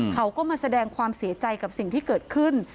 เขาก็มาแสดงความเสียใจกับสิ่งที่เกิดขึ้น